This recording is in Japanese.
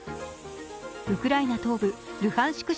ウクライナ東部ルハンシク